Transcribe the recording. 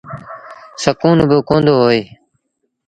سڪون با ڪوندو هوئي۔